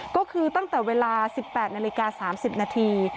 ก็คือตั้งแต่เวลา๑๘นาฬิกา๓๐นาที